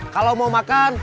kalau mau makan